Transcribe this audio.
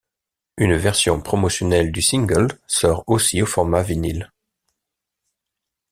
Une version promotionnelle du single sort aussi au format vinyle.